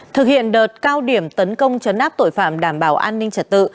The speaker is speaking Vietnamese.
thực hiện đợt cao điểm tấn công chấn áp tội phạm đảm bảo an ninh trật tự